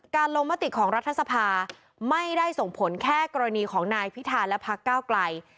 ลงมติของรัฐสภาไม่ได้ส่งผลแค่กรณีของนายพิธาและพักก้าวไกล